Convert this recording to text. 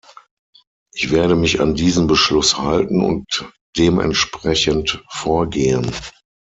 Ich werde mich an diesen Beschluss halten und dementsprechend vorgehen.